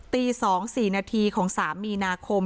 ตี๒๔นาทีของ๓มีนาคม